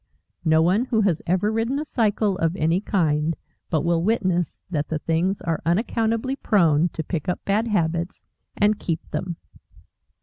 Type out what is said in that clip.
No one who has ever ridden a cycle of any kind but will witness that the things are unaccountably prone to pick up bad habits and keep them.